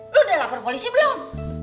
lu udah lapor polisi belum